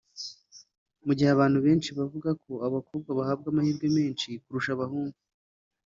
Mu gihe abantu benshi bavuga ko abakobwa bahabwa amahirwe mu mashuri kurusha abahungu